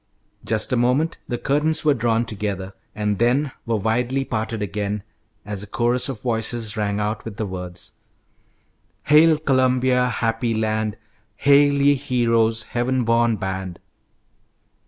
Just a moment the curtains were drawn together, and then were widely parted again, as a chorus of voices rang out with the words: "Hail, Columbia, happy land; Hail, ye heroes, heaven born band!"